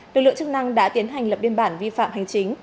lực lượng chức năng đã tiến hành lập biên bản vi phạm hành chính